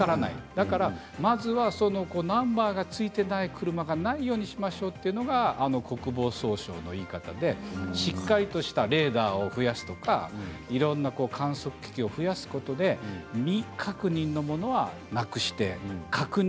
だからまずはナンバーがついていない車がないようにしましょうというのが国防総省の言い方でしっかりとしたレーダーを増やすとかいろんな観測機器を増やすことで未確認のものをなくして確認